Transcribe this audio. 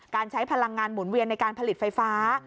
ใช้พลังงานหมุนเวียนในการผลิตไฟฟ้า